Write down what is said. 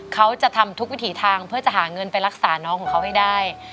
เขาจะทำทุกวิถีทางเพื่อจะหาเงินไปรักษาน้องของเขาให้ได้